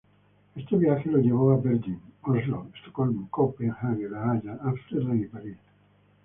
Este viaje lo llevó a Bergen, Oslo, Estocolmo, Copenhague, La Haya, Ámsterdam y París.